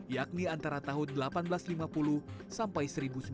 yakni antara tahun seribu delapan ratus lima puluh sampai seribu sembilan ratus sembilan puluh